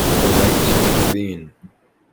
The right to intervene.